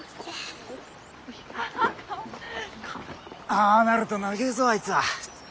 ああなると長えぞあいつは。